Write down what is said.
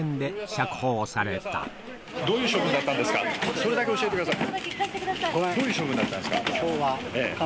それだけ教えてください。